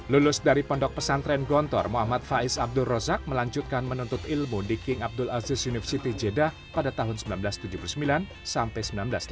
lulus dari pondok pesantren gontor muhammad faiz abdul rozak melanjutkan menuntut ilmu di king abdul aziz university jeddah pada tahun seribu sembilan ratus tujuh puluh sembilan sampai seribu sembilan ratus delapan puluh